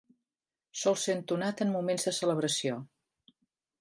Sol ser entonat en moments de celebració.